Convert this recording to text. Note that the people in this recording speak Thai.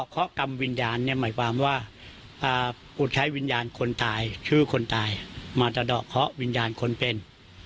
ข้อกรรมวิญญาณเนี่ยหมายความว่ากูใช้วิญญาณคนตายชื่อคนตายมาสะดอกเคาะวิญญาณคนเป็น